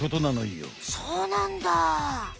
そうなんだ。